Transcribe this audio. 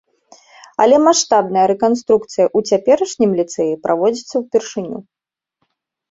Але маштабная рэканструкцыя ў цяперашнім ліцэі праводзіцца ўпершыню.